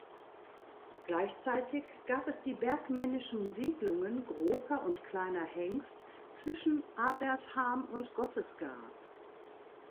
Gleichzeitig gab es die bergmännischen Siedlungen Großer und Kleiner Hengst zwischen Abertham und Gottesgab.